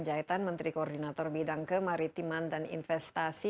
jahitan menteri koordinator bidang kemaritiman dan investasi